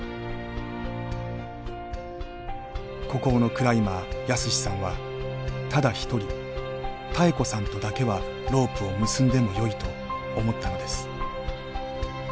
孤高のクライマー泰史さんはただ一人妙子さんとだけはロープを結んでもよいと思ったのです。